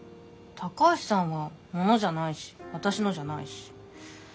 高橋さんは物じゃないし私のじゃないし。